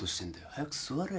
早く座れや。